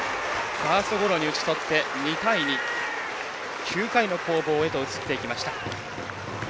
ファーストゴロに打ちとって２対２、９回の攻防へと移っていきました。